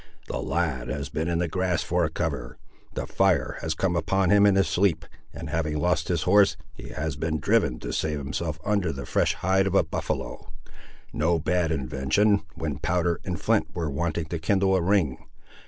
"The lad has been in the grass for a cover; the fire has come upon him in his sleep, and having lost his horse, he has been driven to save himself under that fresh hide of a buffaloe. No bad invention, when powder and flint were wanting to kindle a ring.